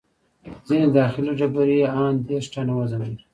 ځینې داخلي ډبرې یې ان دېرش ټنه وزن لري.